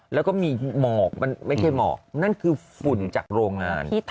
แล้วก็มีหมอกมันไม่ใช่หมอกนั่นคือฝุ่นจากโรงงาน